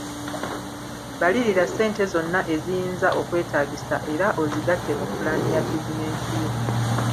Balirira ssente zonna eziyinza okwetaagisa era ozigatte mu pulaani ya bizinensi yo.